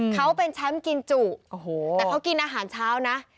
เขาเป็นแชมป์กินจุแต่เขากินอาหารเช้านะ